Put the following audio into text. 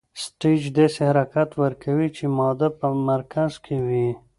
سټیج داسې حرکت ورکوو چې ماده په مرکز کې وي.